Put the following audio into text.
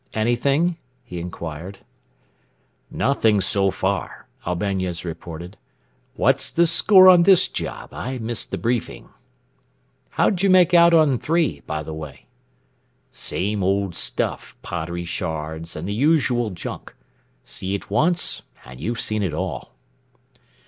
"Anything?" he inquired. "Nothing so far," Albañez reported. "What's the score on this job? I missed the briefing." "How'd you make out on III, by the way?" "Same old stuff, pottery shards and the usual junk. See it once and you've seen it all."